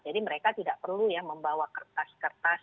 jadi mereka tidak perlu ya membawa kertas kertas